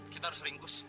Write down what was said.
kita harus ringkus